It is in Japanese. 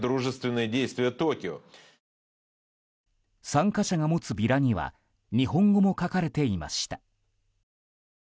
参加者が持つビラには日本語も書かれていました。